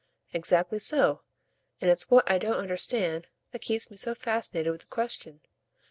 "Exactly so and it's what I don't understand that keeps me so fascinated with the question.